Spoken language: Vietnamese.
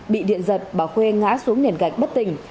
bị điện giật bà khuê ngã xuống nền gạch bất tình